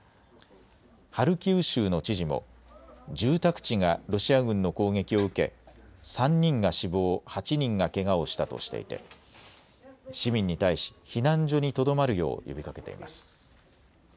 ハルキウ州の知事も住宅地がロシア軍の攻撃を受け３人が死亡、８人がけがをしたとしていて市民に対し避難所にとどまるよう呼びかけています。